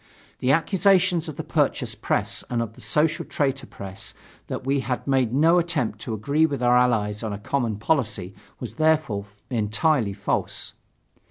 The accusations of the purchased press and of the social traitor press that we had made no attempt to agree with our Allies on a common policy was therefore entirely false.